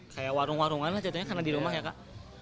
kayak warung warungan lah contohnya karena di rumah ya kak